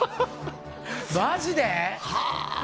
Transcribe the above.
マジで？